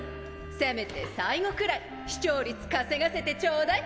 せめて最後くらい視聴率稼がせてちょうだい。